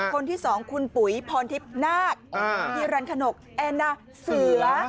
คนที่สองคุณปุ๋ยพรทิพย์นาคฮีรันขนกแอนนาเสือ